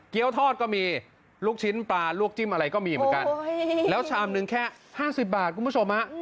ทอดก็มีลูกชิ้นปลาลวกจิ้มอะไรก็มีเหมือนกันแล้วชามนึงแค่๕๐บาทคุณผู้ชมฮะ